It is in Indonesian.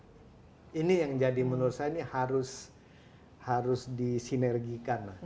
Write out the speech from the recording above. jadi yang jadi menurut saya ini harus disinergikan